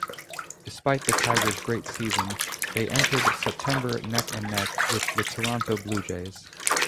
Despite the Tigers great season, they entered September neck-and-neck with the Toronto Blue Jays.